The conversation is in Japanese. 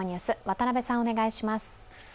渡部さん、お願いします。